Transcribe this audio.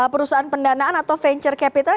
perusahaan pendanaan atau venture capital